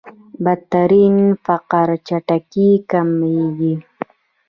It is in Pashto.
بدترين فقر چټکۍ کمېږي.